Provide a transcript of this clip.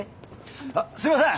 あっすいません！